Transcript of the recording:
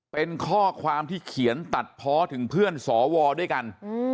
เป็นข้อความที่เขียนตัดเพาะถึงเพื่อนสวด้วยกัน